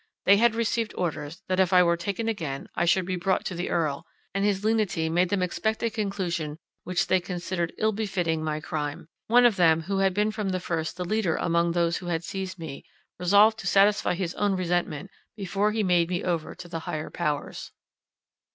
They had received orders that if I were again taken, I should be brought to the Earl; and his lenity made them expect a conclusion which they considered ill befitting my crime. One of them, who had been from the first the leader among those who had seized me, resolved to satisfy his own resentment, before he made me over to the higher powers.